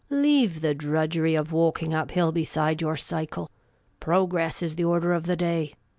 Leave the drudgery of walking up hill beside your cycle ! Progress is the order of the day.